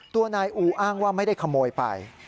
ตัวนายอูอ้างว่าไม่ได้ขโมยไป